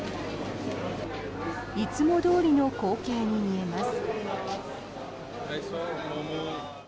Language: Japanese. いつもどおりの光景に見えます。